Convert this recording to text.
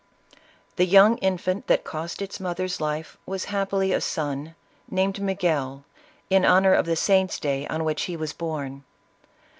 The young infant that cost its mother's life, was happily a son, named Miguel, in honor of the saint's day on ISABELLA OF CASTILE. 129 which he was born.